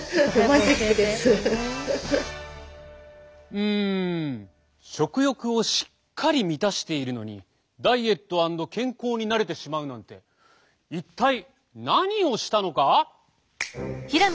うん食欲をしっかり満たしているのにダイエット＆健康になれてしまうなんて一体何をしたのか？